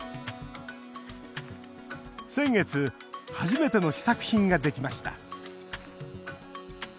先月、初めての試作品ができました。